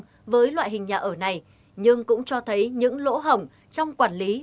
đối với loại hình nhà ở này nhưng cũng cho thấy những lỗ hỏng trong quản lý